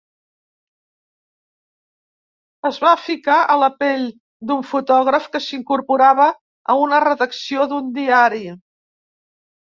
Es va ficar a la pell d'un fotògraf que s'incorporava a una redacció d'un diari.